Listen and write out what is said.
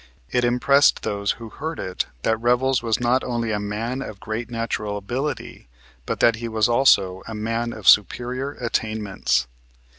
It impressed those who heard it that Revels was not only a man of great natural ability but that he was also a man of superior attainments.